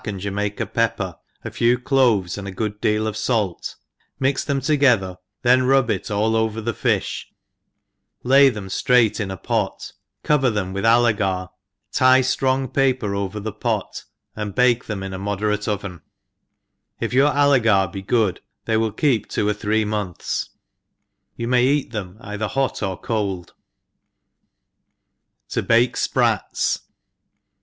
and Jamaica pepper, a few cloves, and a good deal of fait, mix them together, then rub it all over the fiflh, lay them ftraight in a pot, cover them v^ith allegar, tie ftrong paper over the pot, and bake them in a moderate oven; if your allegar be good, they will keep two or three months ; you may eat them either hot or cold« To bake Sprats.